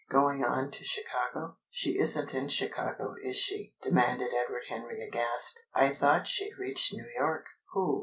"Going on to Chicago?" "She isn't in Chicago, is she?" demanded Edward Henry, aghast. "I thought she'd reached New York!" "Who?"